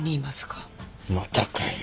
またかよ。